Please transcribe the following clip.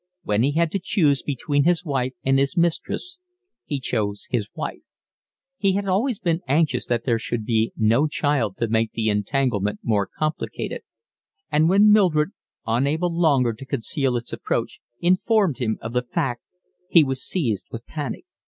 When he had to choose between his wife and his mistress he chose his wife. He had been always anxious that there should be no child to make the entanglement more complicated; and when Mildred, unable longer to conceal its approach, informed him of the fact, he was seized with panic.